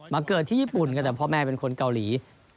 เกิดที่ญี่ปุ่นกันแต่พ่อแม่เป็นคนเกาหลี